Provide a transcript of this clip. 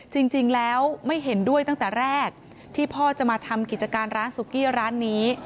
จริงแล้วไม่เห็นด้วยตั้งแต่แรกที่พ่อจะมาทำกิจการร้านสุกี้ร้านนี้